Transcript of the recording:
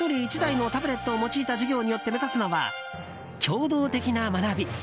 坂本先生が、１人１台のタブレットを用いた授業によって目指すのは、協働的な学び。